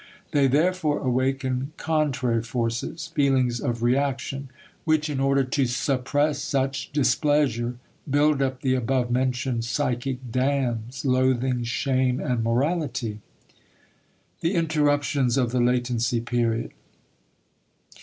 They therefore awaken contrary forces (feelings of reaction), which in order to suppress such displeasure, build up the above mentioned psychic dams: loathing, shame, and morality. *The Interruptions of the Latency Period.